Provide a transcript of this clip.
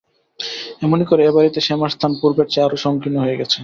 এমনি করে এ বাড়িতে শ্যামার স্থান পূর্বের চেয়ে আরো সংকীর্ণ হয়ে গেছে।